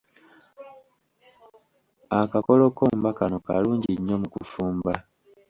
Akakolokomba kano kalungi nnyo mu kufumba.